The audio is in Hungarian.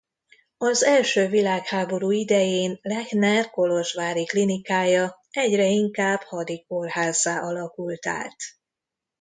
Az első világháború idején Lechner kolozsvári klinikája egyre inkább hadi kórházzá alakult át.